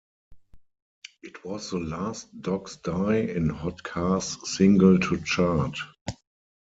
It was the last Dogs Die in Hot Cars single to chart.